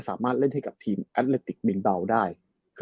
ก็ควรเล่นให้กับทีมอธเรตติกบินบัล